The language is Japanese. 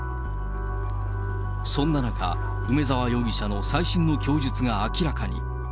そんな中、梅沢容疑者の最新の供述が明らかに。